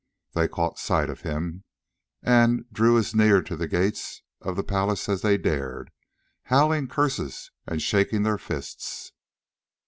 They caught sight of him, and drew as near to the gates of the palace as they dared, howling curses and shaking their fists.